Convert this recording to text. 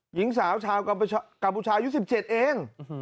หญิงสาวชาวกัมพูชายุ๑๗เอง